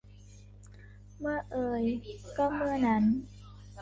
เมื่อเอยก็เมื่อนั้น